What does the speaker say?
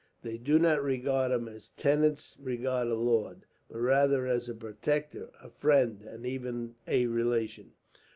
They do not regard him as tenants regard a lord; but rather as a protector, a friend, and even a relation.